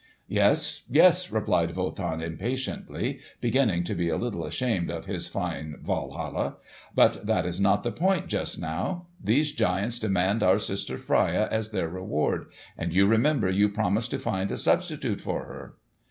"Yes, yes," replied Wotan, impatiently, beginning to be a little ashamed of his fine Walhalla. "But that is not the point, just now. These giants demand our sister Freia as their reward; and you remember you promised to find a substitute for her."